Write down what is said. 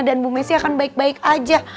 dan bu messi akan baik baik aja